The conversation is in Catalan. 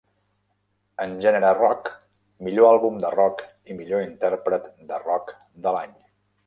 En gènere Rock: Millor àlbum de rock i Millor intèrpret de rock de l'any.